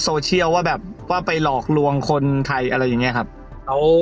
สุดท้ายก็ไม่มีทางเลือกที่ไม่มีทางเลือก